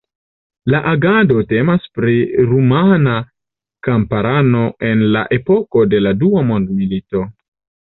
La agado temas pri rumana kamparano en la epoko de la Dua Mondmilito.